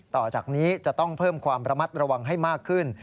ต่อจากนี้จะต้องเพิ่มความระมัดระวังให้มากขึ้น